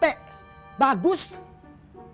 berita yang ditulis selfie ma